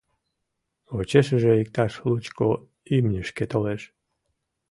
Почешыже иктаж лучко имнешке толеш.